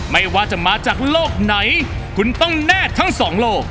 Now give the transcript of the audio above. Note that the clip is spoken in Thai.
ไม่ว่าจะมาจากโลกไหนคุณต้องแนบทั้งสองโลก